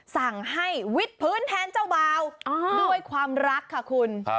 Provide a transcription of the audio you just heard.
สั่งให้วิทย์พื้นแทนเจ้าบ่าวด้วยความรักค่ะคุณ